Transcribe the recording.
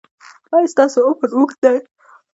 ایا ستاسو عمر اوږد دی؟